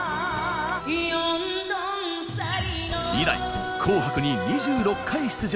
以来「紅白」に２６回出場。